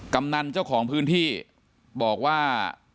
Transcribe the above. กำนันเจ้าของพื้นที่บอกว่า